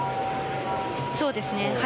そうですね。